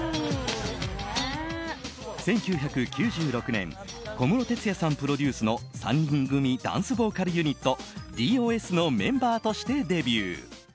１９９６年、小室哲哉さんプロデュースの３人組ダンスボーカルユニットｄｏｓのメンバーとしてデビュー。